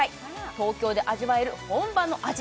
東京で味わえる本場の味